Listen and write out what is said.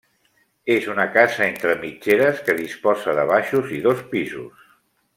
És una casa entre mitgeres que disposa de baixos i dos pisos.